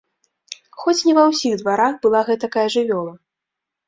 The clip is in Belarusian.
Хоць не ва ўсіх дварах была гэтакая жывёла!